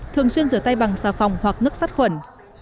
thường xuyên rửa tay bằng xà phòng hoặc nước sát khuẩn